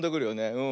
うん。